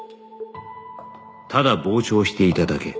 ただ傍聴していただけ